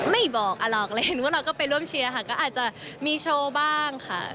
ไม่บอกหรอกอะไรเห็นว่าเราก็ไปร่วมเชียร์ค่ะก็อาจจะมีโชว์บ้างค่ะ